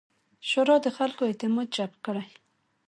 شورا د خلکو اعتماد جلب کړي.